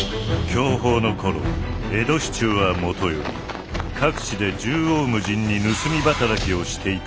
享保の頃江戸市中はもとより各地で縦横無尽に盗み働きをしていた一味があった。